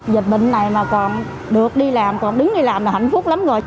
dịch bệnh này mà còn được đi làm còn đứng đi làm mà hạnh phúc lắm rồi